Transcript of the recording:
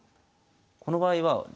この場合はおお。